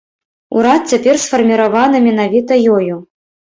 Урад цяпер сфарміраваны менавіта ёю.